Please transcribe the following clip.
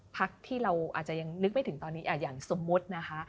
พักที่เราอาจจะยังนึกไม่ถึงตอนนี้อย่างสมมุตินะคะ